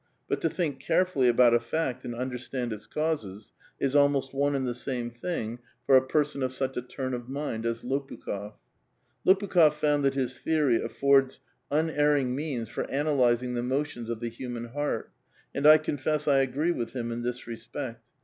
But to think carefully about a fact and understand its causes is almost one and the same thing for a person of such a turn of mind as Lopukh6f. .^Lopu khof found that his theoi'y affords unerring means for ana Wzing the motions of the human heart, and i confess I agree with him in this respect.